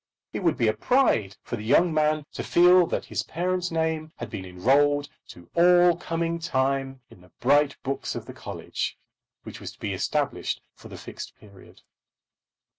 It would be a pride for the young man to feel that his parent's name had been enrolled to all coming time in the bright books of the college which was to be established for the Fixed Period.